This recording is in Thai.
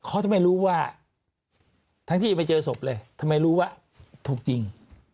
เขาจะไม่รู้ว่าทั้งที่ไปเจอศพเลยทำไมรู้ว่าถูกยิง